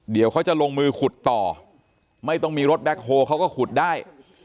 เดี๋ยวเขาจะลงมือขุดต่อไม่ต้องมีรถแบ็คโฮลเขาก็ขุดได้